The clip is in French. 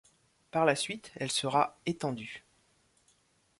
Par la suite, elle sera étendue.